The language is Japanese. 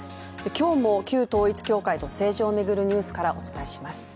今日も旧統一教会と政治を巡るニュースからお伝えします。